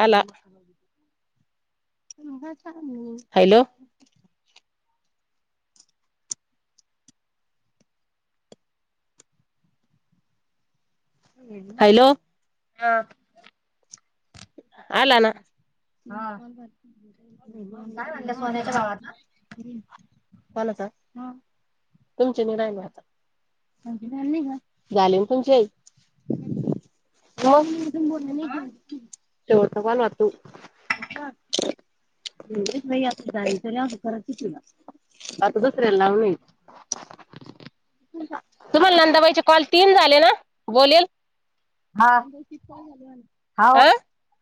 हला hello, hello, यात, आला ना, हा. काय म्हणलं सोन्याच्या भावाचं? [inaudible] फलासा हा तुमचे निराय राहिले आता. झाले ना तुमचे. हा. सवाल वा तू [unintelligible] जाच [inaudible] आ खराच तुला आता दुसऱ्याला लावूनये. तुम्हाला नंदवायचे कॉल तीन झाले ना बोलेल. हा अ,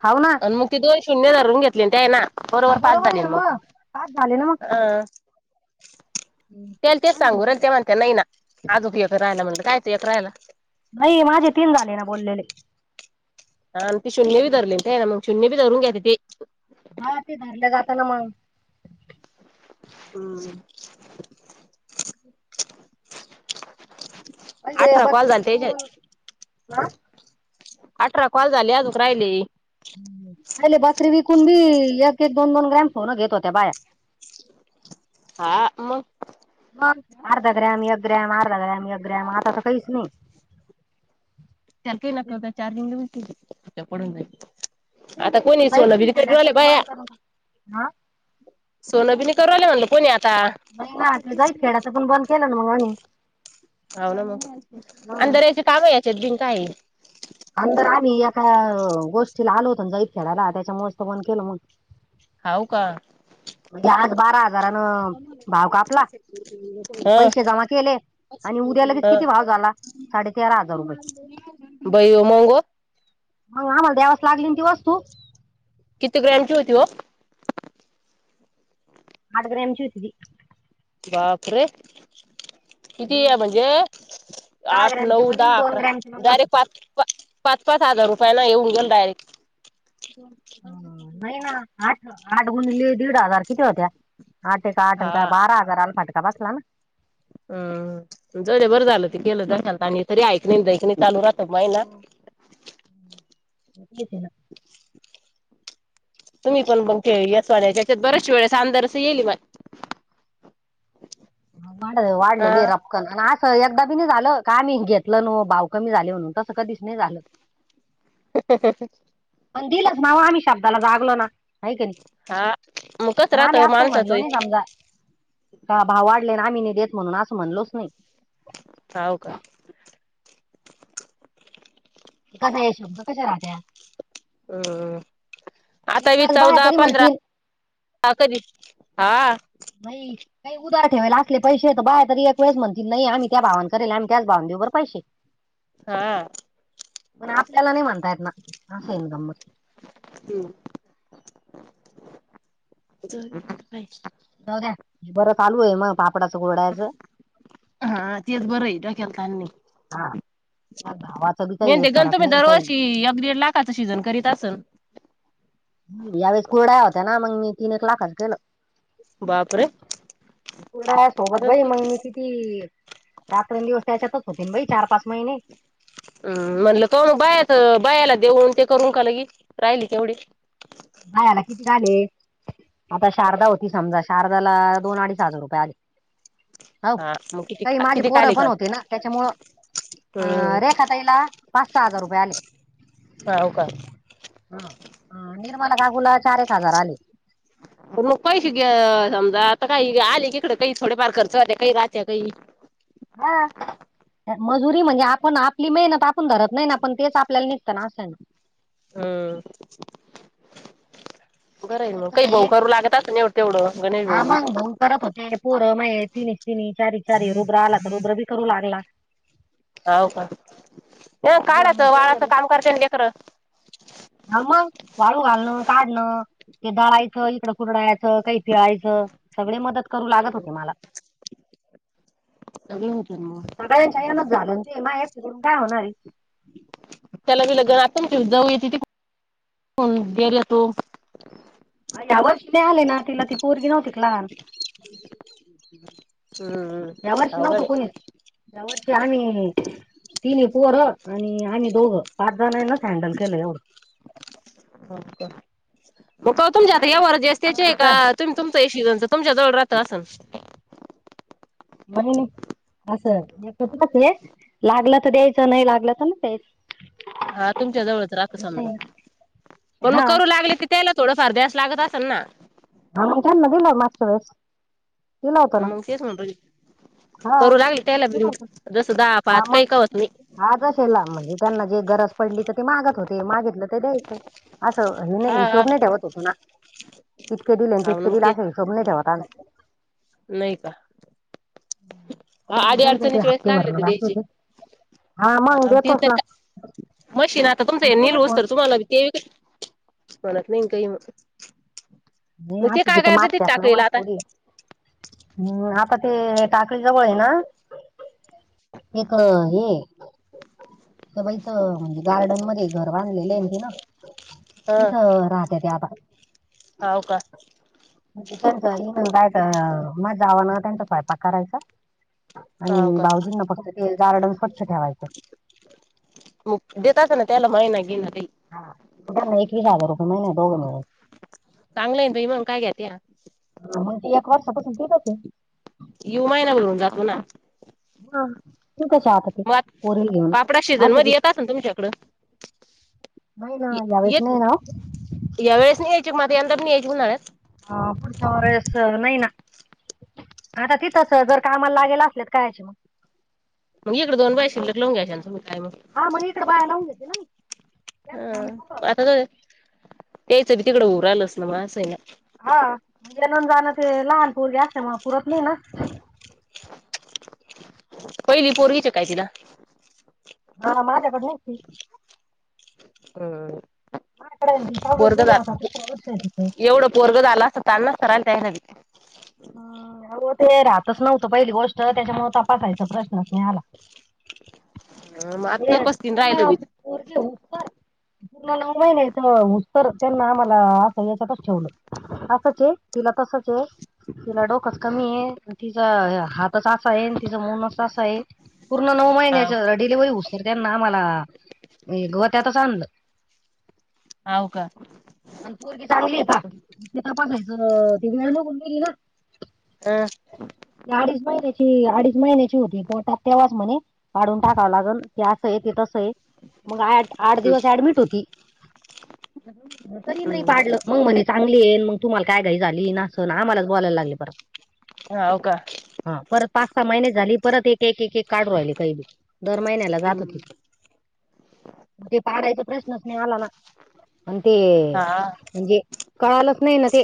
हऊ ना, आणि मग ती दोन शून्य धरून घेतले ते आहे ना. हा बरोबर पाच आहे झाले ना मग पाच झाले ना मग. अ, त्याला तेच काय सांगू म्हणताय? राल ते म्हणत नाही ना आजोपय राहायला म्हणलं काय त एक राहायला. नाही माझे तीन झाले ना बोललेले. हा आणि ते शून्य बी धलेली ना मग शून्य बी रून घ्याेते ते. हा ते घरलं जाताना मग. हम, पहिले अठरा कॉल बकरी चालते [unintelligible] तेज विकून हा. अठरा कॉल झाले अजूक राहिले. पाहिले बकरी विकून बी एक, एक, दोन, दोन ग्रॅम सोन घेत होत्या बाया. हो [inaudible] हा मग. मग अर्धा ग्रॅम, एक ग्रॅम, अर्धा ग्रॅम, एक ग्रॅम आता तर काहीच नाही. सार काही नको होता [unintelligible] चार्जिंग पडून [unintelligible] आता कोणी ते नाही जाईत सोनं दिल का घेऊनये खेड्याचं बी बंद बाया. करून हा सोनभी नाही करु राहील म्हणलं कोणी आता. नाही ना ते जाईत खेळाच पण बंद केलं ना मग हो ना मग हा. अंधाऱ्याचे काम याच्यात बिन काय आहे. अंदर आम्ही एका गोष्टीला आलो होतो जाइत खेळाला त्याच्यामुळेच तो पण केलं मग. हाऊ का. म्हणे आज बारा हजारानं भाव कापला ह पैसे जमा केले आणि उद्या लगेच ह किती भाव झाला साडे तेरा हजार रुपये. बाई मंग अहो आम्हाला देवास लागली ना ती वस्तू. किती ग्रॅमची होती हो? अठ ग्रेमची होती ती. बापरे किती सहा म्हणजे आठ, ग्रॅमची नऊ, म्हणील दहा, दोन अकरा ग्रॅमची मग वस्तू डायरेक्ट पाच पाच, पाच हजार रुपया ना येऊन गेलं डायरेक्ट. अं, नाही ना आठ, आठ गुणले दीड हजार किती होत्या आठ एका आठाचा हा बारा हजार आला फटका बसला ना. हम्म, जाऊदे बरं झालं ते केलं डोक्याला तान नाही हे तरी ऐकणी, देयकी नाही चालू राहत माहिना. घेती ना. [inaudible] तुम्ही पण मग येत त्याच्यात बऱ्याच वेळ्याच ना आंदर अस येईल बाय. भाडे वाढलेले आहे राव. असं एकदा बी नाही झालं का मी घेतलं न भाव कमी झाले म्हणून तसं कधीच नाही झालं. [inaudible] ह [inaudible] अन दिलंत नाव आम्ही शब्दाला जागलो ना. आहे की नाही, हा मग कसं पण राहत आम्ही अस काही माणसाच म्हणलो नाही समजा का भाव वाढले आम्ही नाही देत असं म्हणलोच नाही. हाव का. एखादा हे शब्द कशे राहत्या? हम्म, आता एक ही वेळेस बाया चौदा, तरी पंधरा म्हणतील का [unintelligible] कधी हा. भाई. काही उदार ठेवायला असले पैसे तर बाया तरी एक वेळेस म्हणतील नाही आम्ही त्या भावन करेल आम्ही त्याच भावांन देऊ पैसे. हा पण आपल्याला नाही म्हणतायेत ना अस आहे ना गंमत. हम्म, [unintelligible] जाऊद्या बरं चालू आहे मा पापडाचं, कुरडायचं हा तेच बर हे डोक्याला ताण हा नाही. भावाचं बी मे काही ते गंतु फरक मी नाही दर काही वर्षी एक, दिड लाख काचं सीजन करीत असल? यावेळेस कुरड्या होत्या ना मग मी तीन, एक लाखच केलं. बापरे तुलां सोबतं बाई मंग मी किती रात्रंदिवसं त्यांच्यातचं होते बाई चार पांच महिने हम्मं म्हटलं ते मगं बायांच्या बायांला देऊंन ते करूंन कालं की राहिली तेवढी बायांला किती झाले आंता शारदा होती समजां शारदांला दोन अडीच हजांर रुपये आले हो हा मग किती कांहीं माझी किती पोरं काले पणं काल होती नां त्यांच्यामुळे अं हम्म रेखा ताईला पांच सहा हजांर रुपये आले व्हांव कायं हां निर्मला काकूंला चार एक हजांर आले पैसे मंग पैसे गे समजां आंता कांहीं आले की इकडें कांहीं थोडेफांर खर्च वांत कांहीं राहत्यां कांहीं हां मजुरी म्हणजे आपणं आपली मेहनतं आपणं पणं धरतं नाहीं नां पणं तेचं आपल्यांला निघतं नां असं नां हम्मं बरांल मंग त्याच्यात कसं कांहीं भाऊ आहे करूं लागतांत तेवढं गणेश भाऊ करतं होते पोरं म्हंणे तिन तिन चारी चारी रुद्रं आंला तरं रुद्रं बी करूं लागलां होवं कायं हा मग काढायचं पोरं बी वाळाचं कामं करते लेकरं हां मंग वाळूं घालणं काढणं ते ळायचं इकडं कुरडायचं कांहीं फिळायचं सगळे मंदत करूं लागतं होते मलां अगं जमलं होतंन व माझं छायांकन नचं झालं ते मागं एकूंन कायं होणारं आहे त्यांला मी लग्नं नां ते जाऊंया तिथं गेर तो यां वर्ष आले नां तिलां ती पोरंगी नव्हती कां लहांन यां हम्म वर्षी अवघड नव्हतं आहे कोणी यांवर्षी आम्हीं चं तिनं पोहरं आणि आम्हीं दोघं पांच जणांनाच हँडल केलं एवढं बरं गवतमं कांवतूंन जातं यां वरूं जसं जाऊ त्यांच्या दे का एकां ते तुमचं अशी तुमच्या दंड राहांतच असंन महि असंच लागलं तरं द्यायचं नाहीं लागलं तरं नां द्यायचं हां तुमच्यां जवळचं राहतं असं समजां आहे. पणं मंग हा करूं लागले कि त्यांला थोडं फांर द्यायसं लागतं असेल नां आम्हीं त्यांना दिलं मगसं वेळे मंग तेच म्हंण हा करूं लागली त्यांला दिलं बि जसं दहा पांच कांहीं कां होतं नई हां ते असेला म्हणजे त्यांना जे गरजं पडली तरं ते मांडत होते मागितलं ते द्यायचं असं हे नाहीं हा हिशोब नाहीं ठेवतं होतो नां इतके दिले आणि हा ना तितके मग दिले असेल हीसोब नाहीं ठेवंत आम्हीं नाहीं कां नाही आंधी त्यांचे ते अडचणीचे वेळेस हप्ते लागले भरणं तरं बाकी द्यांयचे होते हा मग हं देतोच ना तीथं मशीन आंता तुमचं आणि ते बी निलं कोण असतं तुम्हांला ते मतं नाहीं इनं कांहीं नाहीं अशी तिथं मारत्यांच वाचतो हम्मं आंता ते टाकळी जवळं आहे नां एक हे तरं बाईचं म्हणजे गार्डन मध्यें घरं बांधलेले आहे ती नां हां हांव कां याचं मंग जावं नां त्यांचा स्वयंपाक करांयचा हाव आणि का भाऊजींना फक्तं ते गार्डन स्वंच्छ ठेवायचं मग देत अस ना त्याला महिना घेणार. हा एक स रुपय महिने दोघ. चांगलं आहे त इमाग काय घ्याात. मग तेी एक वर्षापासून तेत होते. यु महिना बून जातो ना. हा तूक हता ते मग परील घेऊन पापडा ह सीझन मध्ये सग येत असेल तुमच्याकडं नाहीई ना यावेळेस नाही येत ना. या वेळेस नि यायची मग यंदाी्यायची म्हणात. अ पुढ समरेस नाही ना. आता तिथंच जर कामाला लागेल असलेत कायचे मग. मग इकडेोन ते बाई सोड. शिलले लवून घ्याच्यानं मी काय. हा मग इटर बायला लावून घेते ना म हा आता तर त्यायचं बी तिकड उऊर आलंच ना मग असंय ना. ह म्हणजे नून जाणं ते लहानपरे असते मग पुरत नाही ना. पहिली पोरवी चकायची ना. हा माझ्याकड नती. हम. माझ्याकडे आहे ना ती. पोरग सहावीला गेली आता तिसरं वर्ष आहे तिचं. एवढं पोरग झा आला. तना स्थराल त येयरवी. ह अ ते राहतच नव्हतं पहिली गोष्ट त्याच्यामु तपासायचा प्रश्नच महाला. अ मग आ तपस्तीन राहिलं भी. र्ग उपर. [unintelligible] पुर्ण नऊ महिन्याच उस्तर त्यांना आम्हाला असं याच्यातच ठेवलं असंच हे. तिला तसंच हे. तिला डोकच कमी हे तिचा हातच असा हे तिचां मनच असा हे. पूर्ण नऊ महिने हाव झट. डिलेवरी होऊं तर त्यांना आम्हाला गोत्यातच आणलं. ह का. आणि पोरगी चांगली आहेथ प ती वेळ नकून गेली ना. हा. अडीच महिन्याची अडीच महिन्याची होती पोटात तेव्हाच म्हणे पाडून टाकावं लागल. ते असं हे ते तस हे. मग आठ आठ दिवस ऍडमिट होती तरी नाही हम्म पाडलं. मग म्हणे चांगली हे मग तुम्हाला काय घाई झाली ना असं ना आम्हालाच बोलायला लागले परत, हा हो का. हा परत पाच सहा महिने झाली परत एक एक एक एक काढु राहिली काही भी दर महिन्यालाच. जात हम्म होती ते पाडायचा प्रश्नच नाही आला ना. आणि ते हा. म्हणजे कळालंच नाही ना ते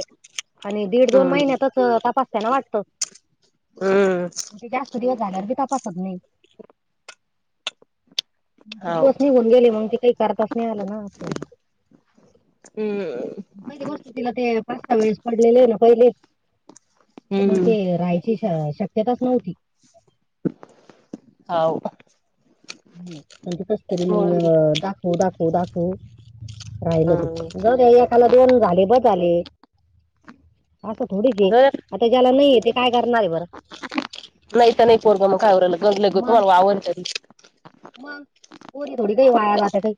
आणि दीड दोन हम्म महिन्यातच. त पाप हत्याना वाटत. हम्म, जास्त दिवस झाल्यावर भी तपासत नाही. हाव दिवस निघून गेले मग ते काही करताच नाही आलं ना हत्या. हम्. पहिली गोष्ट तिला ते पाच सहा वेळेस पडलेले आहे ना पहिले तर मग हम्म ते राहाय, ति शाया शक्यताच नव्हती. हाव, पण ते कस तरी मग, दाखव दाखव दाखव. राहिलं ते, हम्म जाऊ द्या एकाला दोन झाले बज झाले. असं थोडीच हे, ग आता ज्याला नाहीये ते काय करणार आहे बरं. नाही तर नाही पोरगं, मग काय हु रायलं, मग तुम्हाला वावर हे तरी मग, पोरी थोडी काही वाया जाते काही,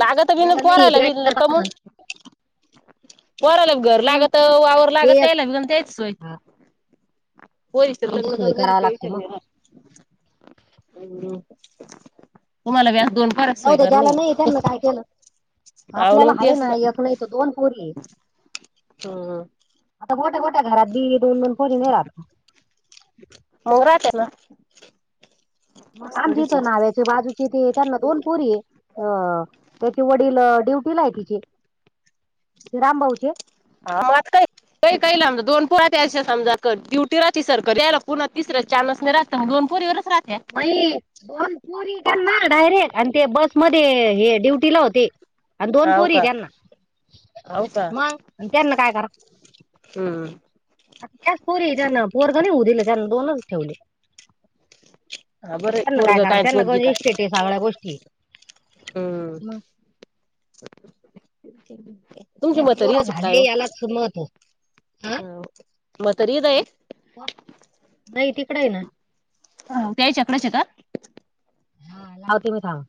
लागत बी ज्याला नाही हे ते पोरायला काय बी कमून करता म पोराला घर मग लागत वावर ते लागत एक- यायला त्याचसोय हा, पोरीच तर त्यांची लग्न सोय करून दिलं, करावी काही लागते टेंशन मग नहीं राहत, तुम्हाला व्यास दोन जाऊ रसोई द्या घर ज्याला नाही नहीं, त्यांना काय केलं अव ना आपल्याला मग आहे तेच ना, एक नाही तर दोन पोरी आहे. हम्म आता मोठ्या मोठ्या घरात बी दोन दोन पोरी नही रात. मंग राहत्याना, आमच्या इथं नाव्याचे बाजूचे तेे त्यांना दोन पोरी हे. अ त्याचे वडील ड्युटी ला आहेते, ते रामभाऊचे. हा मात काय, काही काहीला मज दोन पुळात त्याष समजा डुटी राची सरकारी, त्याला पुन्हा तिसऱ्या चान्स नहीं रात दोन पोरी वरच राहत्या ती, दोन पूरी हे त्याना डायरेक्ट, आणि ते बसमध्ये हे ड्युटी ला होते, आणि दोन हाव पोरी हे का त्यांना, हाव का मग, त्यांना काय करा हम्म आ त्याच पोरी त्यांना, पोरग नहीं होऊ दिले त्यांनं दोनच ठेवले. हा बरं त्यांना काय पोरग करा, त्यांना गज इस्टेट हे सगळ्या गोष्टीय. अं तुमची त्या म्हातारी पोरं येशील कायवं,, झाले यालाच महत्व हा हाव म्हातारी इथं हाय? नाही तिकडं आहे ना. त्यांच्याकडेच आहेता हा लावते मी थांब.